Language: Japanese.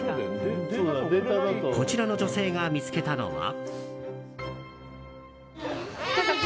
こちらの女性が見つけたのは。